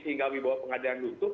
sehingga wibawa pengadilan luntur